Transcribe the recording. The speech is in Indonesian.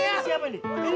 eh siapa sih ini